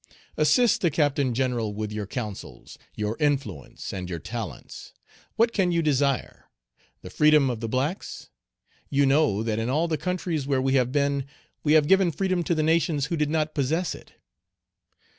"Assist the Captain General with your counsels, your influence, and your talents. What can you desire? The freedom of the blacks? You know that in all the countries where we have been, we have given freedom to the nations who did not possess it.